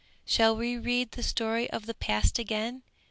Shall we read the story of the past again?